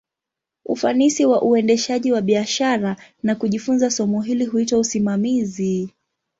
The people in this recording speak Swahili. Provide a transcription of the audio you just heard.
Ufanisi wa uendeshaji wa biashara, na kujifunza somo hili, huitwa usimamizi.